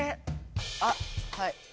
あっはい。